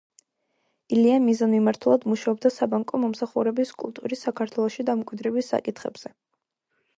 ილია მიზანმიმართულად მუშაობდა საბანკო მომსახურების კულტურის საქართველოში დამკვიდრების საკითხებზე.